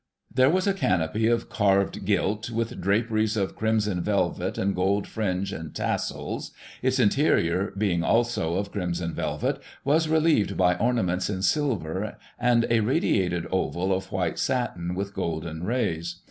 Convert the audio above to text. "\ There was a canopy of carved gilt, with draperies of crimson ^ velvet £md gold fringe and tassels, its interior, being also of crimson velvet, was relieved by ornaments in silver and a radiated oval of white satin with golden rays.